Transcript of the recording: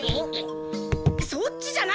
そっちじゃない！